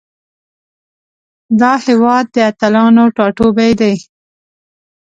دا هیواد د اتلانو ټاټوبی ده.